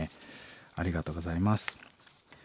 ありがとうございます。